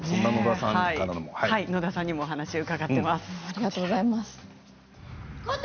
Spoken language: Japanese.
野田さんにも話を伺っています。